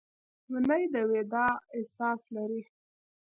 منی د وداع احساس لري